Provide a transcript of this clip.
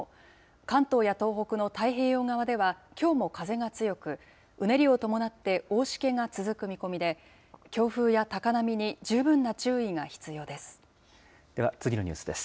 関東や東北の太平洋側ではきょうも風が強く、うねりを伴って大しけが続く見込みで、強風や高波に十分な注意が必要です。